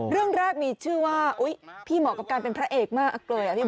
เรื่องแรกมีชื่อว่าพี่เหมาะกับการเป็นพระเอกมากเลย